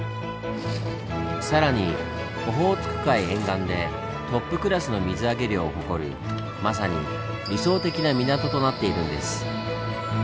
更にオホーツク海沿岸でトップクラスの水揚げ量を誇るまさに理想的な港となっているんです。